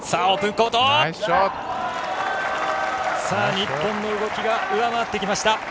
日本の動きが上回ってきました。